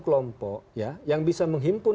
kelompok ya yang bisa menghimpun